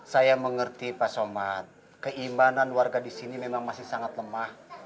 saya mengerti pak somad keimanan warga di sini memang masih sangat lemah